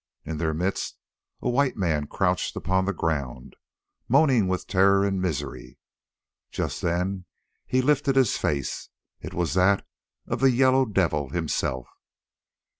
In their midst a white man crouched upon the ground, moaning with terror and misery. Just then he lifted his face—it was that of the Yellow Devil himself.